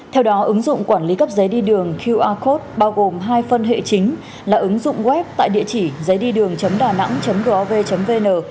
theo đó ứng dụng quản lý cấp giấy đi đường qr code bao gồm hai phân hệ chính là ứng dụng web tại địa chỉ giấy đi đường đà nẵng gov vn